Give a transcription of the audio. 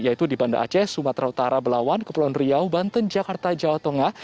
yaitu di banda aceh sumatera utara belawan kepulauan riau banten jakarta jawa tengah